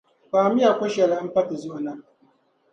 Kpaami ya ko’shɛli m-pa ti zuɣu na.